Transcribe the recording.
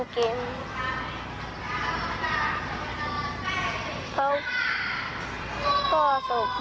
เขาชอบให้ผมเล่นเกม